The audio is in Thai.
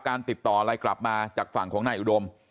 ติดต่ออะไรกลับมาจากฝั่งของนายอุดม